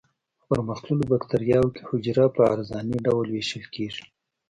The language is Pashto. په پرمختللو بکټریاوو کې حجره په عرضاني ډول ویشل کیږي.